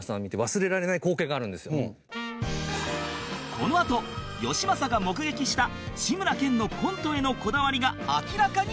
このあとよしまさが目撃した志村けんのコントへのこだわりが明らかになる